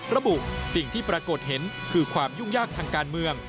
ระบุสิ่งที่ปรากฏเห็นคือความยุ่งยากทางการเมือง